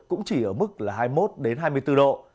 cũng chỉ ở mức là hai mươi một hai mươi bốn độ